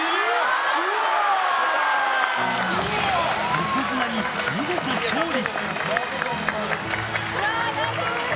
横綱に見事勝利！